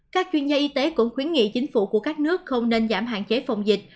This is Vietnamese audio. các chuyên gia y tế cũng khuyến nghị chính phủ của các nước không nên giảm hạn chế phòng dịch